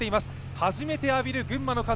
初めて浴びる群馬の風。